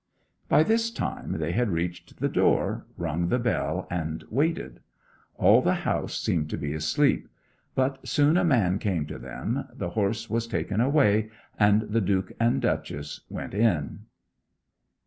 By this time they had reached the door, rung the bell, and waited. All the house seemed to be asleep; but soon a man came to them, the horse was taken away, and the Duke and Duchess went in.